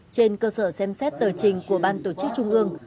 trên cơ sở xem xét tờ trình của ban tổ chức trung ương